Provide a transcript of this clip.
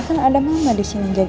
sus boleh cariin lilin gak